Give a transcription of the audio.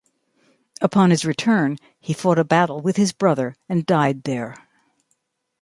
Upon his return, he fought a battle with his brother and died there.